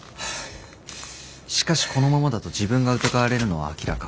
しかしこのままだと自分が疑われるのは明らか。